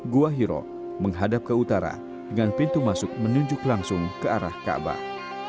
gua hiro menghadap ke utara dengan pintu masuk menunjuk langsung ke arah kaabah